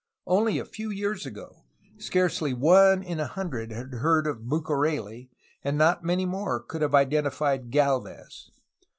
Only a few years ago scarcely one in a hundred had heard of Bucareli, and not many more could have identified Galvez.